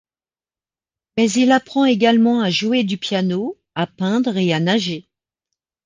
Mais il apprend également à jouer du piano, à peindre et à nager.